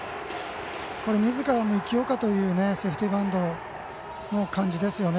みずからも生きようかというセーフティーバントの感じですね。